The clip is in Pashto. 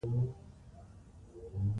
اوړي د افغانستان یوه طبیعي ځانګړتیا ده.